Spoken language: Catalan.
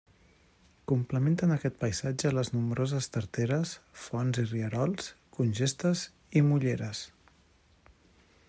Complementen aquest paisatge les nombroses tarteres, fonts i rierols, congestes i molleres.